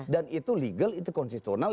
dan itu legal itu konsistional